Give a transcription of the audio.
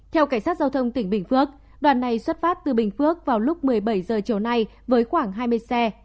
theo cảnh sát giao thông tỉnh bình phước đoàn này xuất phát từ bình phước vào lúc một mươi bảy h chiều nay với khoảng hai mươi xe